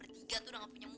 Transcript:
gak ada di rumah kan